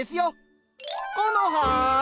コノハ！